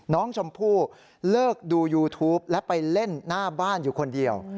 น้องชมพู่เลิกดูยูทูปและไปเล่นหน้าบ้านอยู่คนเดียว